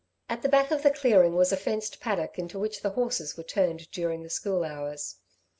At the back of the clearing was a fenced paddock into which the horses were turned during school hours.